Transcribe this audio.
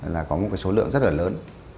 là có một cái số lượng rất là lớn